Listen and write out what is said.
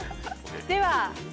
では。